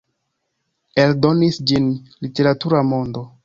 Eldonis ĝin Literatura Mondo.